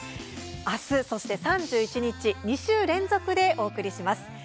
明日、そして３１日２週連続でお送りします。